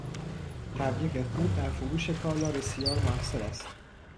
تبلیغ خوب در فروش کالا بسیار موثر است.